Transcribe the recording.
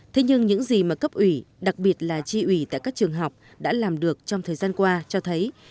thế nhưng những gì mà cấp ủy đặc biệt là tri ủy tại các trường học đã làm được trong thời gian qua cho thấy